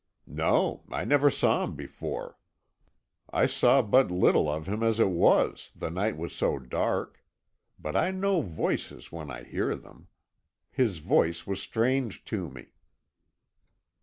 "No, I never saw him before; I saw but little of him as it was, the night was so dark; but I know voices when I hear them. His voice was strange to me."